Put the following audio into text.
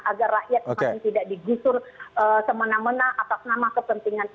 agar rakyat semakin tidak digusur semena mena atau senamanya